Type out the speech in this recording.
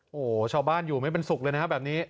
โอ้โหชาวบ้านอยู่ไม่เป็นสุขเลยนะครับแบบนี้